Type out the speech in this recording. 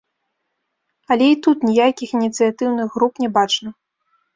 Але і тут ніякіх ініцыятыўных груп не бачна.